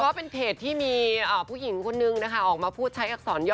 ก็เป็นเพจที่มีผู้หญิงคนนึงนะคะออกมาพูดใช้อักษรย่อ